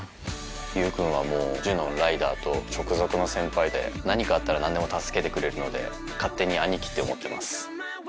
友君はジュノンライダーと直属の先輩で何かあったら何でも助けてくれるので勝手に兄貴って思ってます。